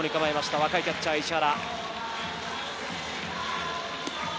若いキャッチャー、石原。